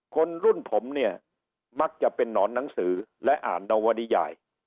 คนรุ่นผมเนี่ยมักจะเป็นนอนหนังสือและอ่านนวริยาย